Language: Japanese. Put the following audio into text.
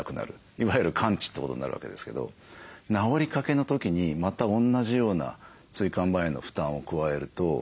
いわゆる完治ってことになるわけですけど治りかけの時にまた同じような椎間板への負担を加えるとそこに痛みが出てしまうと。